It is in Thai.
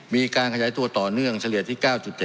มีการขยายตัวต่อเนื่องเฉลี่ยที่๙๗